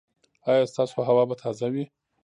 ایا ستاسو هوا به تازه وي؟